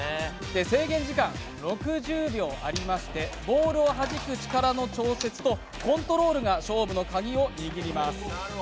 制限時間は６０秒ありまして、ボールをはじく力の調節とコントロールが勝負のカギを握ります。